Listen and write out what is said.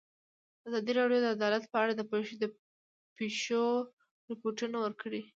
ازادي راډیو د عدالت په اړه د پېښو رپوټونه ورکړي.